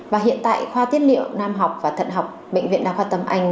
và hiện tại khoa tiết liệu nam học và thận học bệnh viện đa khoa tâm anh